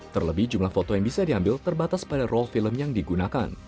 terlebih jumlah foto yang bisa diambil terbatas pada role film yang digunakan